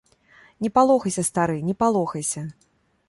Не палохайся, стары, не палохайся.